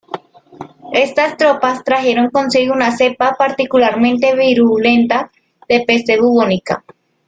Estas tropas trajeron consigo una cepa particularmente virulenta de peste bubónica.